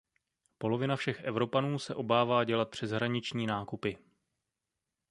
Polovina všech Evropanů se obává dělat přeshraniční nákupy.